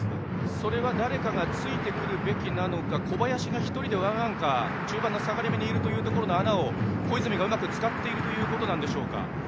それは誰かがついてくるべきなのか小林が１人でワンアンカー中盤の下がりめの位置にいるという穴を小泉がうまく使っているんでしょうか。